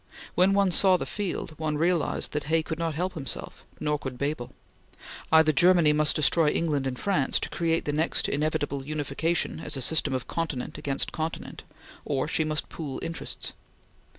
When one saw the field, one realized that Hay could not help himself, nor could Bebel. Either Germany must destroy England and France to create the next inevitable unification as a system of continent against continent or she must pool interests.